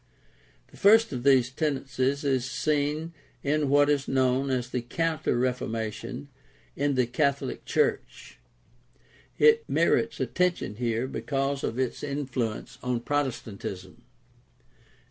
The first of these tendencies is seen in what is known as the Counter Reformation in the Catholic church. It merits attention here because of its influence on Protestantism.